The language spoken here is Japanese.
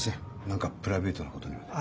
何かプライベートなことにまで。